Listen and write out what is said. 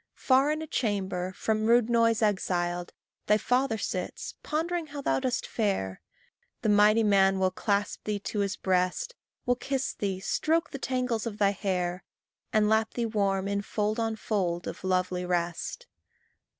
Far in a chamber from rude noise exiled, Thy father sits, pondering how thou dost fare. The mighty man will clasp thee to his breast: Will kiss thee, stroke the tangles of thy hair, And lap thee warm in fold on fold of lovely rest.